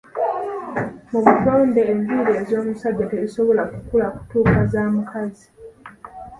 Mu butonde, enviiri ez'omusajja tezisobola kukula kutuuka za mukazi.